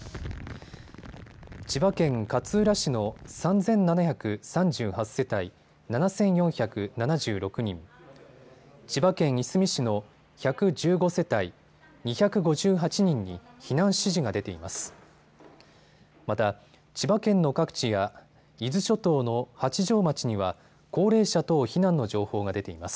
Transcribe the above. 千葉県勝浦市の３７３８世帯７４７６人、千葉県いすみ市の１１５世帯２５８人に避難指示が出ています。